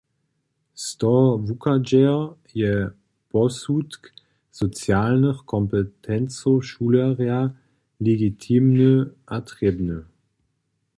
Z toho wuchadźejo je posudk socialnych kompetencow šulerja legitimny a trěbny.